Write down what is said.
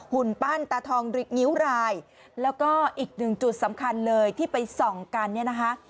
หุ่นปั้นตาทองนิ้วรายแล้วก็อีกหนึ่งจุดสำคัญเลยที่ไปส่องกันเนี่ยนะคะ